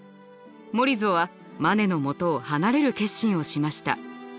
モリゾはマネのもとを離れる決心をしました。